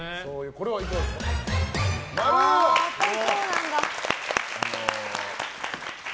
やっぱりそうなんだ。